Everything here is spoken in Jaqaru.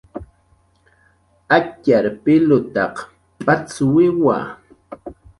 Atxar pilutaq p'acxwiwa